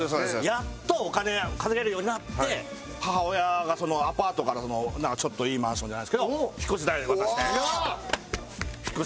やっとお金を稼げるようになって母親がアパートからちょっといいマンションじゃないですけど引っ越し代渡して引っ越しして。